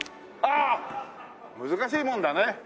ああ難しいもんだね。